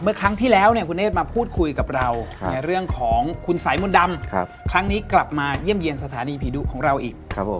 เมื่อครั้งที่แล้วเนธมาพูดคุยกับเราในเรื่องของคุณสายมนต์ดำครับครั้งนี้กลับมาเยี่ยมเยี่ยมสถานีผีดุของเราอีกครับผม